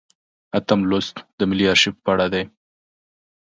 اتم لوست د ملي ارشیف په اړه دی.